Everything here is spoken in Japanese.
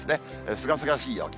すがすがしい陽気。